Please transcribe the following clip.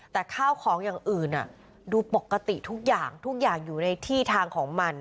แต่ข้าวของอย่างอื่นดูปกติทุกอย่างทุกอย่างอยู่ในที่ทางของมัน